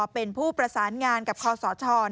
เป็นผู้ประสานงานกับคอสช